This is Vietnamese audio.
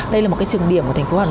đây là một trường điểm